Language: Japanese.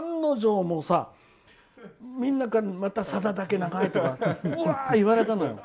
案の定みんなからまた、さだだけ長いとかって言われたのよ。